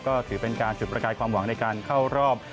ก็ถือเป็นการจุดประกายความหวังในการเข้ารอบ